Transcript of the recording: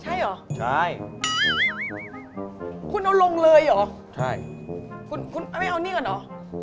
ใช่เหรอใช่คุณเอาลงเลยเหรอใช่คุณคุณไม่เอานี่ก่อนเหรอ